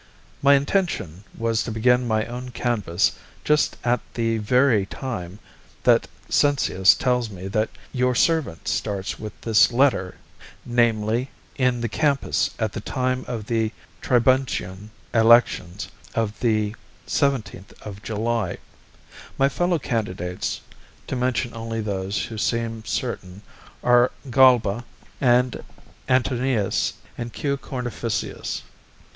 My intention was to begin my own canvass just at the very time that Cincius tells me that your servant starts with this letter, namely, in the campus at the time of the tribunician elections on the 17th of July. My fellow candidates, to mention only those who seem certain, are Galba and Antonius and Q. Cornificius.